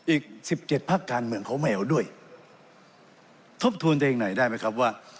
อีกสิบเจ็ดพักการเมืองเขาไม่เอาด้วยทบทวนตัวเองหน่อยได้ไหมครับว่า